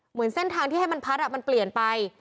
เหมือนเส้นทางที่ให้มันพัดมันเปลี่ยนไป